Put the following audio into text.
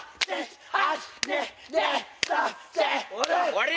終わり！